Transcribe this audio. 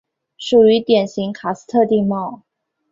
属于典型喀斯特地貌。